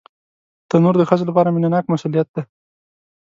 تنور د ښځو لپاره مینهناک مسؤلیت دی